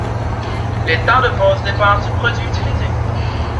Le temps de pose dépend du produit utilisé.